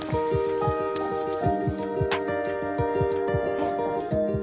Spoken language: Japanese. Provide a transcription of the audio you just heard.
えっ？